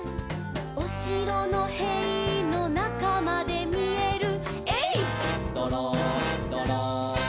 「おしろのへいのなかまでみえる」「えいっどろんどろん」